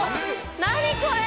何これ？